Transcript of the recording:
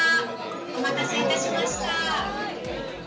お待たせいたしました」。